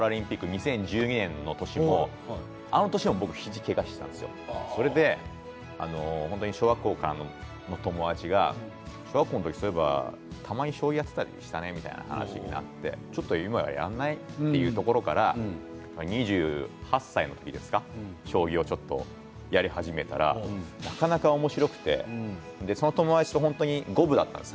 ２０１２年の年、あの年、肘をけがしていたんですよ、それで小学校からの友達が小学校の時そういえばたまに将棋やっていたりしたねという話になってちょっと今やらない？というところから２８歳の時ですか、将棋をちょっとやり始めたらなかなかおもしろくてその友達が本当に五分だったんです。